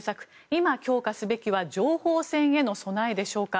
今、強化すべきは情報戦への備えでしょうか。